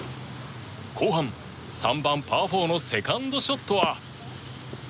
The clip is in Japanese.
後半３番パー４のセカンドショットは。